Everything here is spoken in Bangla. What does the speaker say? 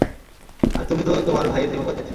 আর তুমি তো তোমার ভাইয়ের জীবন বাঁচিয়েছ।